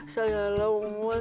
sayanglah umur satu ah